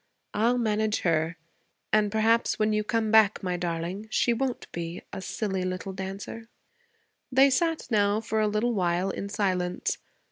I'll manage her. And perhaps when you come back, my darling, she won't be a silly little dancer.' They sat now for a little while in silence.